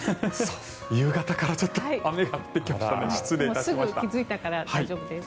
夕方から雨が降ってきましたね。